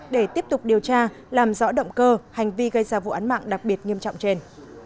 để tiếp tục điều tra làm rõ động cơ hành vi gây ra vụ án mạng đặc biệt nghiêm trọng trên